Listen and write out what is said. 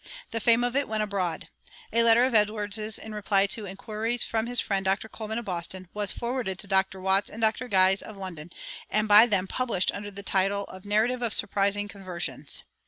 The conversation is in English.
The fame of it went abroad. A letter of Edwards's in reply to inquiries from his friend, Dr. Colman, of Boston, was forwarded to Dr. Watts and Dr. Guise, of London, and by them published under the title of "Narrative of Surprising Conversions."